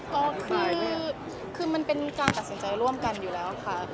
ก็คือมันเป็นการตัดสินใจร่วมกันอยู่แล้วค่ะ